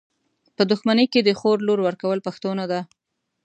په دښمني کي د خور لور ورکول پښتو نده .